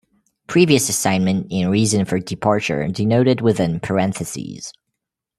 Previous assignment and reason for departure denoted within parentheses.